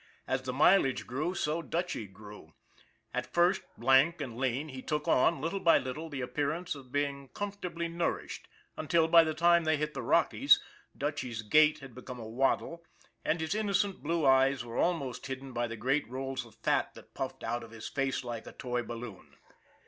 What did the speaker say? As the mileage grew, so Dutchy grew. At first lank and lean, he took on, little by little, the appearance of being comfortably nourished, until, by the time they hit the Rockies, Dutchy's gait had become a waddle and his innocent blue eyes were almost hidden by the great rolls of fat that puffed out his face like a toy balloon.